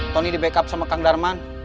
tony di backup sama kang darman